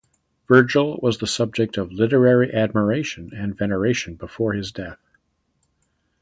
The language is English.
Virgil was the object of literary admiration and veneration before his death.